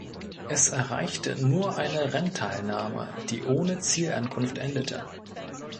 Es erreichte nur eine Rennteilnahme, die ohne Zielankunft endete.